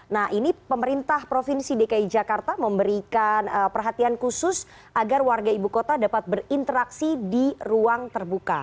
nah ini pemerintah provinsi dki jakarta memberikan perhatian khusus agar warga ibu kota dapat berinteraksi di ruang terbuka